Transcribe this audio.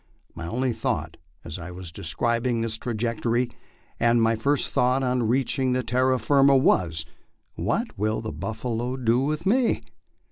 My only thought, as I was describing this trajectory, and my first thought on reach ing terra firma, was, "What will the buffalo do with me?"